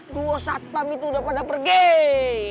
dua satpam itu udah pada pergi